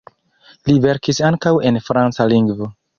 Li verkis ankaŭ en franca lingvo.